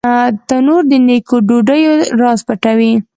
تنور د نیکو ډوډیو راز پټوي